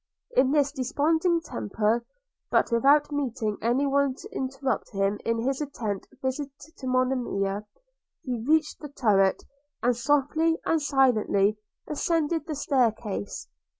In this desponding temper, but without meeting any one to interrupt him in his intended visit to Monimia, he reached the turret, and softly and silently ascended the stair case.